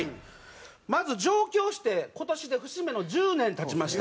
まず上京して今年で節目の１０年経ちました。